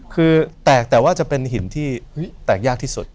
คือแตกแต่ว่าจะเป็นหินที่แตกยากที่สุด